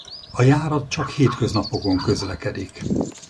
A járat csak hétköznapokon közlekedik.